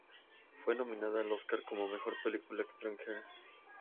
Fue nominada al Óscar como mejor película extranjera